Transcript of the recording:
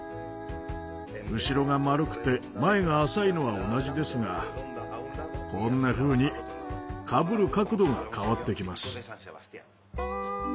後ろが丸くて前が浅いのは同じですがこんなふうにかぶる角度が変わってきます。